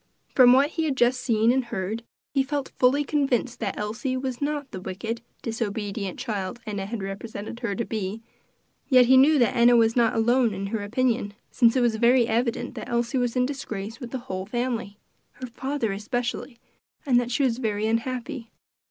From what he had just seen and heard, he felt fully convinced that Elsie was not the wicked, disobedient child Enna had represented her to be; yet he knew that Enna was not alone in her opinion, since it was very evident that Elsie was in disgrace with the whole family her father especially and that she was very unhappy.